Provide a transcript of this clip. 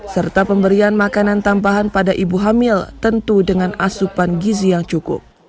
serta pemberian makanan tambahan pada ibu hamil tentu dengan asupan gizi yang cukup